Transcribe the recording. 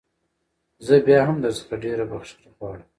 زه بيا هم درڅخه ډېره بخښنه غواړم.